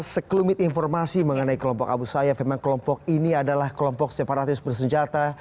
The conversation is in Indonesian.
sekelumit informasi mengenai kelompok abu sayyaf memang kelompok ini adalah kelompok separatis bersenjata